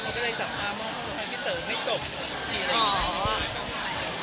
ก็เลยเอาข้าวเหนียวมะม่วงมาปากเทียน